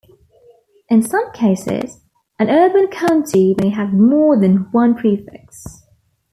In some cases, an urban county may have more than one prefix.